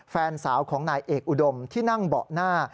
แฟนสาวของนายเอกอุดมที่นั่งเบาะหน้า